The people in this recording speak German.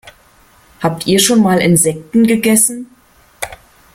Habt ihr schon mal Insekten gegessen?